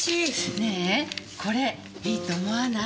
ねーえこれいいと思わない？